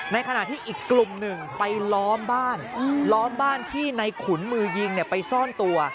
ในขณะที่อีกกลุ่มหนึ่งไปล้อมบ้านล้อมบ้านที่ในขุนมือยิงไปซ่อนตัว